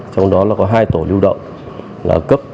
trong đó có hai tổ lưu động